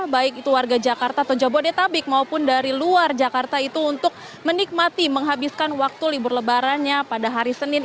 baik itu warga jakarta atau jabodetabek maupun dari luar jakarta itu untuk menikmati menghabiskan waktu libur lebarannya pada hari senin